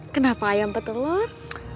kenapa ayam petelur